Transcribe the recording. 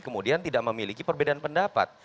kemudian tidak memiliki perbedaan pendapat